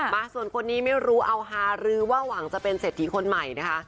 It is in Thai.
มาส่วนคนนี้ไม่รู้เอาฮาหรือว่าหวังจะเป็นเศรษฐีคนใหม่นะคะ